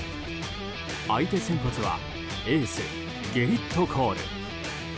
相手先発はエースゲリット・コール。